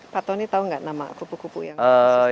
patoni tau gak nama kupu kupu yang ini